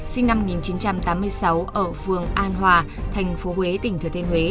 sinh năm một nghìn chín trăm tám mươi sáu ở phường an hòa thành phố huế tỉnh thừa thiên huế